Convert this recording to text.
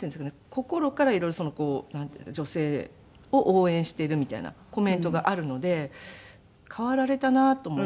心から色々こう女性を応援しているみたいなコメントがあるので変わられたなと思います。